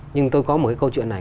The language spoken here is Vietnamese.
nhưng tôi có một cái câu chuyện này